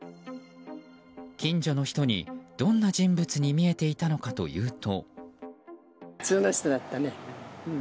近所の人に、どんな人物に見えていたのかというと。